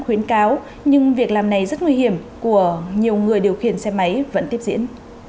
khuyến cáo nhưng việc làm này rất nguy hiểm của nhiều người điều khiển xe máy vẫn tiếp diễn